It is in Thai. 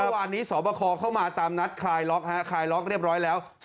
เมื่อวานนี้สอบคอเข้ามาตามนัดคลายล็อกฮะคลายล็อกเรียบร้อยแล้ว